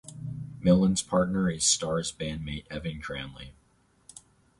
Millan's partner is Stars bandmate Evan Cranley.